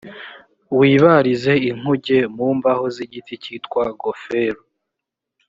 wibarize inkuge mu mbaho z igiti cyitwa goferu